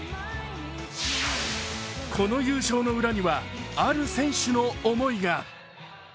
この優勝の裏には、ある選手の思いが。